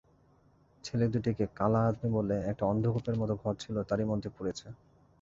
ছেলে-দুটিকে কালা আদমী বলে, একটা অন্ধকূপের মত ঘর ছিল, তারই মধ্যে পুরেছে।